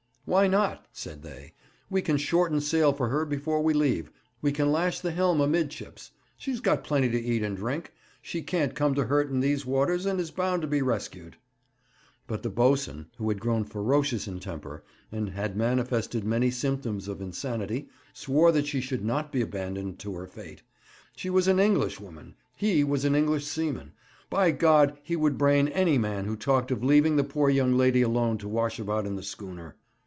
'Why not?' said they. 'We can shorten sail for her before we leave. We can lash the helm amidships. She's got plenty to eat and drink. She can't come to hurt in these waters, and is bound to be rescued.' But the boatswain, who had grown ferocious in temper, and had manifested many symptoms of insanity, swore that she should not be abandoned to her fate. She was an Englishwoman; he was an English seaman. By God! he would brain any man who talked of leaving the poor young lady alone to wash about in the schooner.